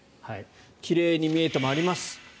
奇麗に見えてもあります。